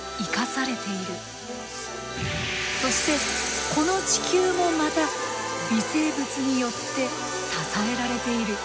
そしてこの地球もまた微生物によって支えられている。